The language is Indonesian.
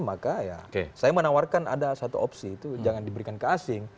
maka ya saya menawarkan ada satu opsi itu jangan diberikan ke asing